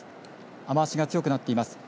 雨足が強くなっています。